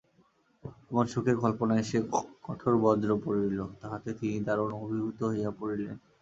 এমন সুখের কল্পনায় যে কঠোর বজ্র পড়িল, তাহাতে তিনি দারুণ অভিভূত হইয়া পড়িলেন।